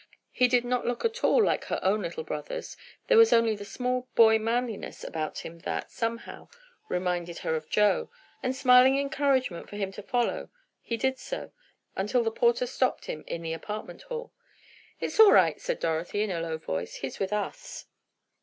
He did not look at all like her own little brothers, there was only the small boy manliness about him that, somehow, reminded her of Joe, and smiling encouragement for him to follow, he did so, until the porter stopped him in the apartment hall. "It's all right," said Dorothy, in a low voice, "he's with us."